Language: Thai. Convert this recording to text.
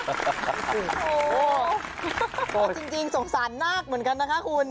โอ้โฮเที่ยวจริงสงสารนักเหมือนกันนะคะคุณ